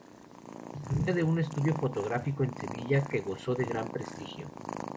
Disponía de un estudio fotográfico en Sevilla que gozó de gran prestigio.